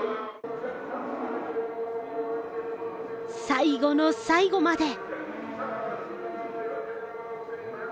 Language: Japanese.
最後の最後まで。